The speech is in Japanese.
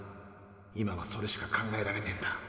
今はそれしか考えられねえんだ。